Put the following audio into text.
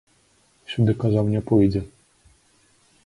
Сюды, казаў, не пойдзе!